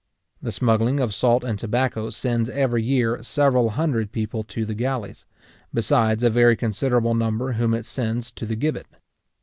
The smuggling of salt and tobacco sends every year several hundred people to the galleys, besides a very considerable number whom it sends to the gibbet.